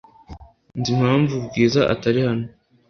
Nzi impamvu Bwiza atari hano .